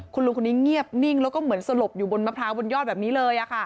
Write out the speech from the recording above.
คุณลุงคนนี้เงียบนิ่งแล้วก็เหมือนสลบอยู่บนมะพร้าวบนยอดแบบนี้เลย